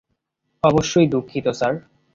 অবশ্যই দুঃখিত স্যার।